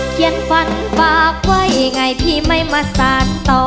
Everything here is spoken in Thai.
เขียนฝันฝากไว้ยังไงพี่ไม่มาสารต่อ